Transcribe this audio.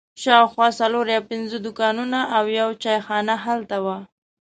شاوخوا څلور یا پنځه دوکانونه او یوه چای خانه هلته وه.